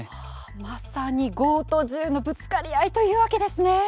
まさに剛と柔のぶつかり合いというわけですね！